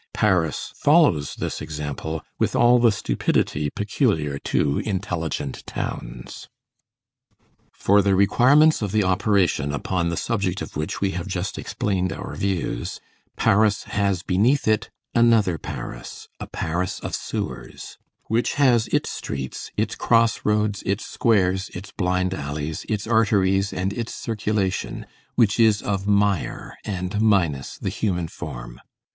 Paris follows this example with all the stupidity peculiar to intelligent towns. For the requirements of the operation upon the subject of which we have just explained our views, Paris has beneath it another Paris; a Paris of sewers; which has its streets, its crossroads, its squares, its blind alleys, its arteries, and its circulation, which is of mire and minus the human form.